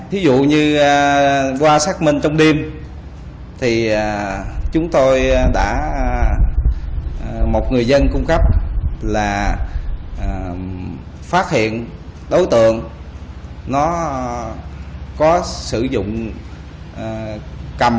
thí dụ như qua xác minh trong đêm thì chúng tôi đã một người dân cung cấp là phát hiện đối tượng nó có sử dụng cầm